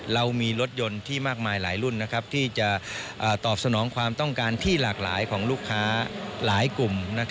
เรามีรถยนต์ที่มากมายหลายรุ่นที่จะตอบสนองความต้องการที่หลากหลายของลูกค้าหลายกลุ่ม